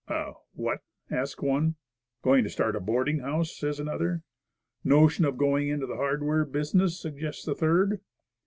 "A what?" asks one. "Going to start a boarding house?" says another. "Notion of going into the hardware business ?" sug gests a third.